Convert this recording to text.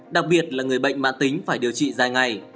đặc biệt là người bệnh mạng tính phải điều trị dài ngày